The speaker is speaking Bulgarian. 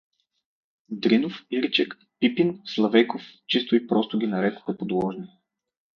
Дринов, Иречек, Пипин, Славейков чисто и просто ги нарекоха подложни.